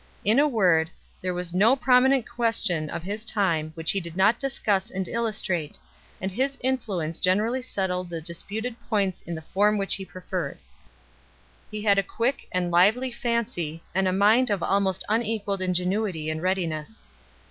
In a word, there was no prominent question of his time which he did not discuss and illustrate, and his influence generally settled the disputed points in the form which he preferred. He had a quick and lively fancy, and a mind of almost un equalled ingenuity and readiness.